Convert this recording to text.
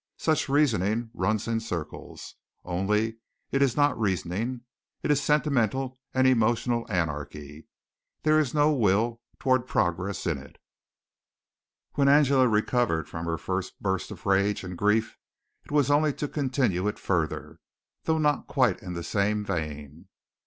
Such reasoning runs in circles. Only it is not reasoning. It is sentimental and emotional anarchy. There is no will toward progress in it. When Angela recovered from her first burst of rage and grief it was only to continue it further, though not in quite the same vein.